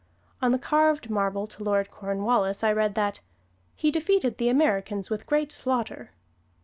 On the carved marble to Lord Cornwallis I read that, "He defeated the Americans with great slaughter."